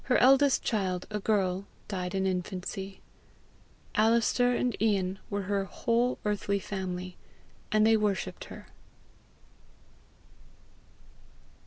Her eldest child, a girl, died in infancy. Alister and Ian were her whole earthly family, and they worshipped her.